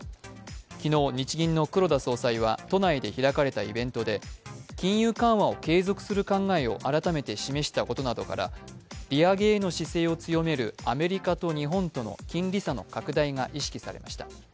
昨日、日銀の黒田総裁は都内で開かれたイベントで金融緩和を継続する考えを改めて示したことなどから利上げへの姿勢を強めるアメリカと日本との金利差の拡大が意識されました。